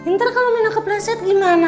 ntar kalau minum keplaset gimana